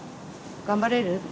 頑張れる？